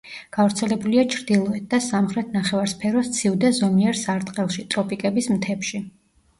გავრცელებულია ჩრდილოეთ და სამხრეთ ნახევარსფეროს ცივ და ზომიერ სარტყელში, ტროპიკების მთებში.